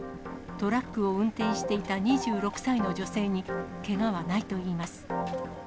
トラックを運転していた２６歳の女性にけがはないといいます。